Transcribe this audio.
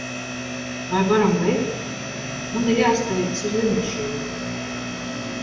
Vai varam beigt, man ir jāsteidzas uz lidmašīnu?